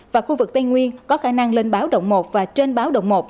và khu vực tây nguyên có khả năng lên báo động một và trên báo động một